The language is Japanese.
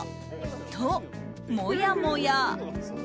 と、もやもや。